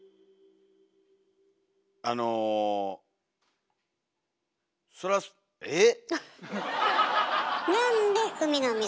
あのそらええ？